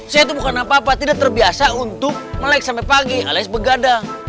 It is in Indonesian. saya itu bukan apa apa tidak terbiasa untuk melek sampai pagi alias begadang